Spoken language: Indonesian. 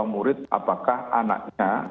murid apakah anaknya